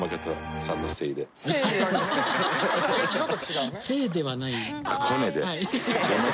「せい」ではない。